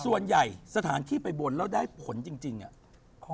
ส่วนใหญ่สถานที่ไปบนแล้วได้ผลจริง